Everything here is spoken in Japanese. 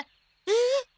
えっ！？